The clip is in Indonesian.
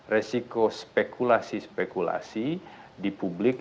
resiko spekulasi spekulasi di publik